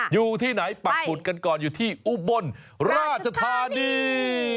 อยู่ที่ไหนปักหมุดกันก่อนอยู่ที่อุบลราชธานี